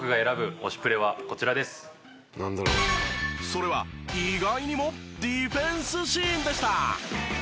それは意外にもディフェンスシーンでした。